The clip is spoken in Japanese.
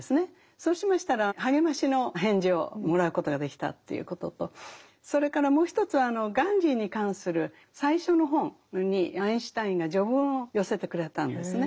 そうしましたら励ましの返事をもらうことができたということとそれからもう一つはガンジーに関する最初の本にアインシュタインが序文を寄せてくれたんですね。